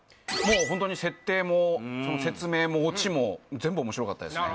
ホントに設定も説明もオチも全部面白かったですね